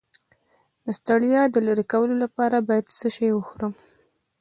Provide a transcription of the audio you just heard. د ستړیا د لرې کولو لپاره باید څه شی وخورم؟